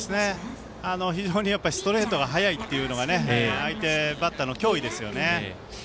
非常にストレートが速いというのが相手バッターの脅威ですよね。